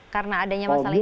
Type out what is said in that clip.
karena adanya masalah itu